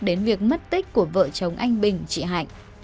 đến việc mất tích của vợ chồng anh bình chị hạnh